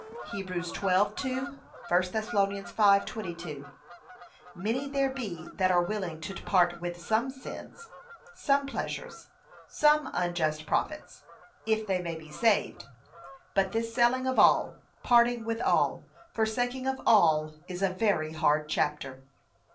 (Heb 12:2; 1 Thess. 5:22) Many there be that are willing to part with some sins, some pleasures, some unjust profits, if they may be saved; but this selling of all, parting with all, forsaking of all, is a very hard chapter.